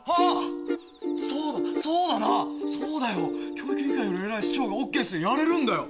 教育委員会より偉い市長がＯＫすりゃやれるんだよ。